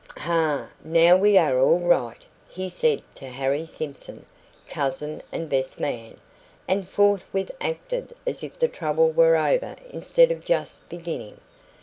"Ha! now we are all right," he said to Harry Simpson, cousin and best man; and forthwith acted as if the trouble were over instead of just beginning.